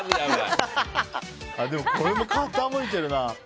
でもこれも傾いてるな。